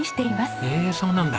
へえそうなんだ。